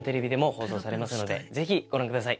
日本テレビでも放送されますので、ぜひ、ご覧ください。